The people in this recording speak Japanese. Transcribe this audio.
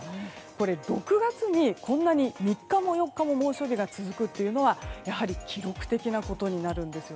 これ６月にこんなに３日も４日も猛暑日が続くっていうのは、やはり記録的なことになるんです。